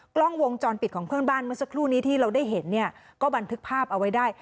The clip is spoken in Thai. กล้องวงจรปิดของเพื่อนบ้านเมื่อสักครู่นี้ที่เราได้เห็นเนี่ยก็บันทึกภาพเอาไว้ได้